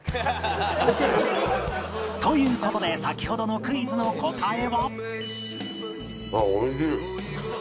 という事で先ほどのクイズの答えはあっ美味しい！